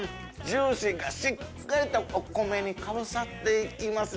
ジューシーがしっかりとお米にかぶさっていきます。